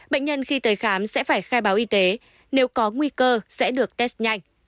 bệnh nhân khi tới khám sẽ phải khai báo y tế nếu có nguy cơ sẽ được test nhanh